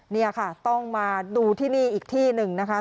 นี่ค่ะต้องมาดูที่นี่อีกที่หนึ่งนะคะ